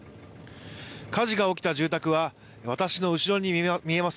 火事が起きた住宅は私の後ろに見えます